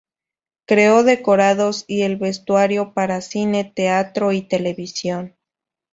Creó decorados y el vestuario para cine, teatro y televisión.